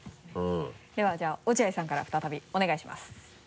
ではじゃあ落合さんから再びお願いします。